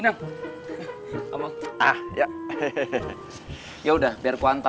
jangan pergi wahai bidadari